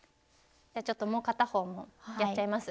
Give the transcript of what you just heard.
ちょっともう片方もやっちゃいます？